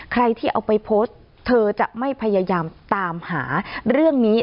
ใครที่เอาไปโพสต์เธอจะไม่พยายามตามหาเรื่องนี้